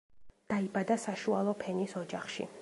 დაიბადა საშუალო ფენის ოჯახში.